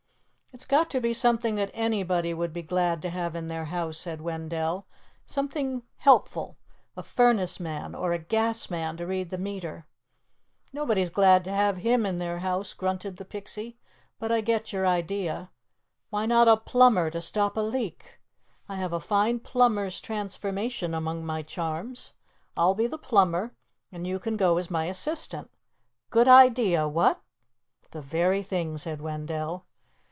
"It's got to be something that anybody would be glad to have in their house," said Wendell. "Something helpful. A furnace man. Or a gas man to read the meter." "Nobody's glad to have him in their house," grunted the Pixie. "But I get your idea. Why not a plumber to stop a leak? I have a fine plumber's transformation among my charms. I'll be the plumber and you can go as my assistant. Good idea, what?" "The very thing," said Wendell.